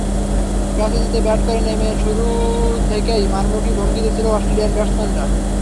টসে জিতে ব্যাট করতে নেমে শুরু থেকেই মারমুখী ভঙ্গিতে ছিলেন অস্ট্রেলিয়ান ব্যাটসমানরা।